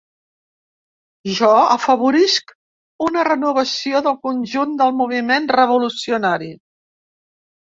Jo afavorisc una renovació del conjunt del moviment revolucionari.